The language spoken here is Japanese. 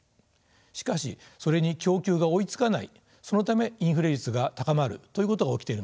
しかしそれに供給が追いつかないそのためインフレ率が高まるということが起きているのです。